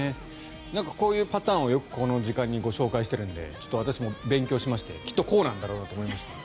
こういうパターンはよくこの時間にご紹介しているのでちょっと私も勉強しましてきっとこうなんだろうなと思いました。